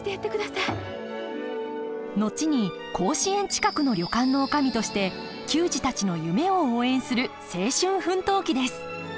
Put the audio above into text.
後に甲子園近くの旅館の女将として球児たちの夢を応援する青春奮闘記です。